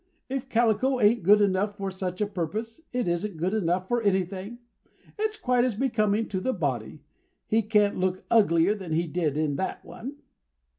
If calico ain't good enough for such a purpose, it isn't good enough for anything. It's quite as becoming to the body. He can't look uglier than he did in that one."